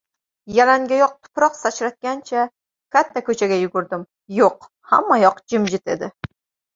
Yalangoyoq tuproq sachratgancha katta ko‘chaga yugurdim. Yo‘q, hammayoq jimjit edi...